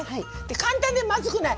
簡単でまずくない。